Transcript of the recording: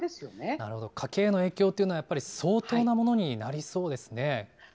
なるほど、家計の影響というのはやっぱり相当なものになりそそうですね。